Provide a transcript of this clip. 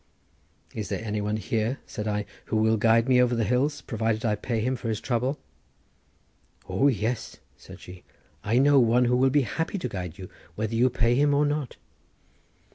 "Is there any one here," said I, "who will guide me over the hills provided I pay him for his trouble?" "O yes," said she; "I know one who will be happy to guide you whether you pay him or not."